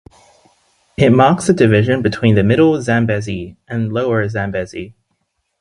It marks the division between the Middle Zambezi and Lower Zambezi.